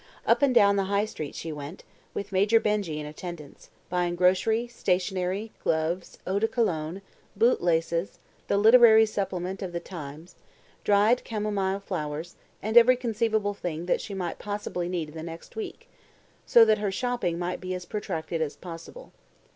Up and down the High Street she went, with Major Benjy in attendance, buying grocery, stationery, gloves, eau de Cologne, boot laces, the "Literary Supplement" of The Times, dried camomile flowers, and every conceivable thing that she might possibly need in the next week, so that her shopping might be as protracted as possible.